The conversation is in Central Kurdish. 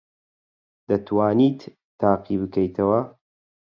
دەتوانیت تاقی بکەیتەوە؟